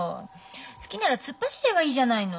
好きなら突っ走ればいいじゃないの。